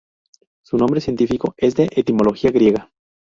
Su nombre científico es de etimología griega.